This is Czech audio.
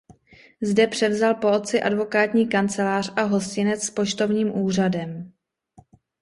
Zde převzal po otci advokátní kancelář a hostinec s poštovním úřadem.